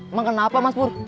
emang kenapa matpur